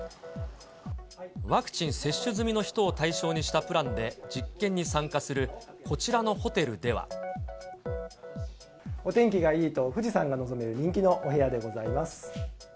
ワクチン接種済みの人を対象にしたプランで実験に参加するこちらお天気がいいと、富士山が望める人気のお部屋でございます。